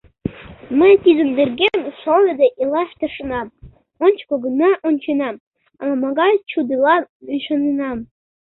Мый тидын нерген шоныде илаш тыршенам, ончыко гына онченам, ала-могай чӱдылан ӱшаненам.